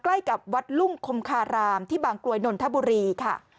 ใกล้กับวัดลุ่งคมคารามที่บางกลวยนนทบุรีค่ะ